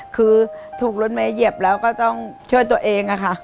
คือถูกรถเมย์เหยียบแล้วก็ต้องช่วยตัวเองค่ะ